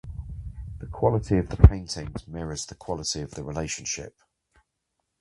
The quality of the paintings mirrors the quality of the relationship.